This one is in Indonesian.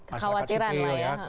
masyarakat sipil kekhawatiran lah ya